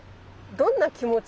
どんな気持ち？